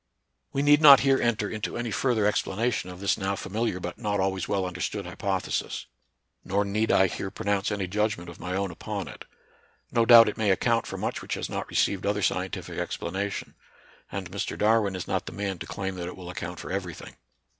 We need not here enter into any further ex planation of this now familiar but not always well understood hypothesis ; nor need I here pronounce any judgment of my own upon it. No doubt it may account for much which has not received other scientific explanation ; and Mr. Darwin is not the man to claim that it will account for every thing.